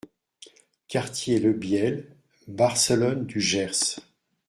Quartier Le Bielle, Barcelonne-du-Gers